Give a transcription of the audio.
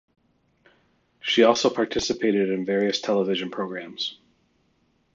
She also participated in various television programs.